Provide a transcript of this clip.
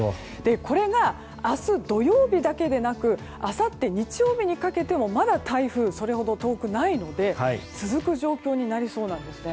これが明日、土曜日だけでなくあさって日曜日にかけてもまだ台風、それほど遠くないので続く状況になりそうです。